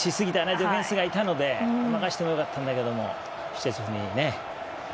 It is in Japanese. ディフェンスがいたので任せてもよかったんだけどシュチェスニーね。